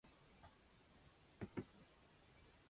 媒体对这段表演赞不绝口。